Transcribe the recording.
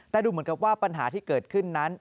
แต่ดูเหมือนกับว่าปัญหาที่เกิดขึ้นนั้น